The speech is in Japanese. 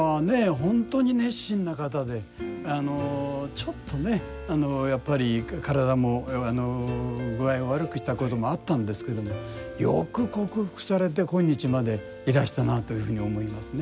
ちょっとねやっぱり体も具合を悪くしたこともあったんですけどもよく克服されて今日までいらしたなというふうに思いますね。